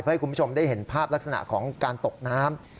เพื่อให้คุณผู้ชมได้เห็นภาพลักษณะของการตกน้ำ